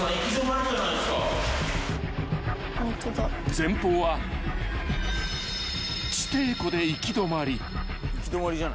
［前方は地底湖で行き止まり］